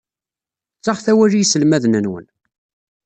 Ttaɣet awal i yiselmaden-nwen.